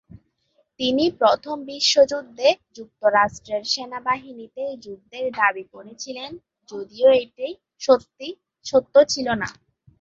তিনি প্রথম বিশ্বযুদ্ধে যুক্তরাষ্ট্রের সেনাবাহিনীতে যুদ্ধের দাবি করেছিলেন, যদিও এটি সত্য ছিল না।